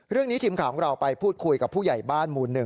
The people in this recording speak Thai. เรื่องนี้ทีมข่าวของเราไปพูดคุยกับผู้ใหญ่บ้านมูล๑